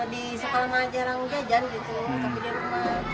di sekolah mahajaran ujajar gitu tapi di rumah